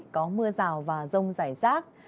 có mưa rào và rông rải rác